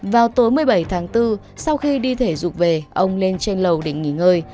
vào tối một mươi bảy tháng bốn sau khi đi thể dục về ông lên trên lầu để nghỉ ngơi